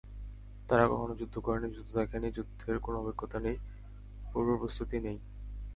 তারা কখনো যুদ্ধ করেনি, যুদ্ধ দেখেনি, যুদ্ধের কোনো অভিজ্ঞতা নেই, পূর্বপ্রস্তুতি নেই।